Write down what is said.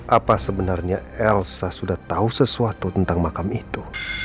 apa sebenarnya elsa sudah tahu sesuatu tentang makam itu